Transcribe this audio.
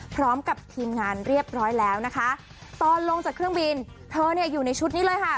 พร้อมกับทีมงานเรียบร้อยแล้วนะคะตอนลงจากเครื่องบินเธอเนี่ยอยู่ในชุดนี้เลยค่ะ